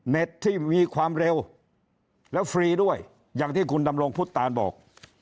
ที่มีความเร็วแล้วฟรีด้วยอย่างที่คุณดำรงพุทธตานบอก